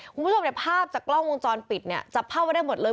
คุณผู้ชมเนี่ยภาพจากกล้องวงจรปิดเนี่ยจับภาพไว้ได้หมดเลย